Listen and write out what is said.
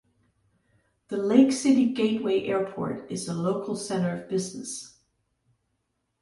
The Lake City Gateway Airport is a local center of business.